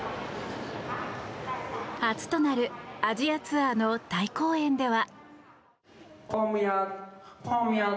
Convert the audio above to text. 初となるアジアツアーのタイ公演では。